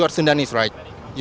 anda sundanese kan